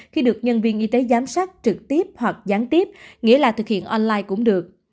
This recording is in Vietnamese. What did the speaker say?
khi được nhân viên y tế giám sát trực tiếp hoặc gián tiếp nghĩa là thực hiện online cũng được